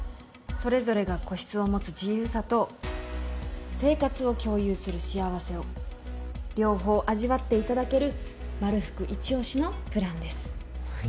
それぞれが個室を持つ自由さと生活を共有する幸せを両方味わっていただけるまるふくいち押しのプランです。